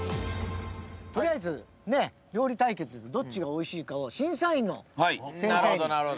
取りあえずね料理対決どっちがおいしいかを審査員の先生に。